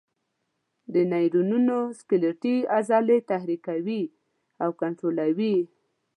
دا نیورونونه سکلیټي عضلې تحریکوي او کنټرولوي.